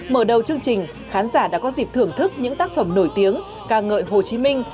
mở đầu chương trình khán giả đã có dịp thưởng thức những tác phẩm nổi tiếng ca ngợi hồ chí minh